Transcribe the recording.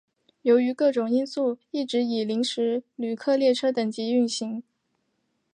由于各种因素而一直以临时旅客列车等级运行。